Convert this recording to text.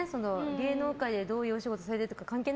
芸能界でどういうお仕事するとか関係